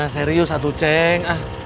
serius satu ceng ah